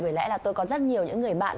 bởi lẽ là tôi có rất nhiều người bạn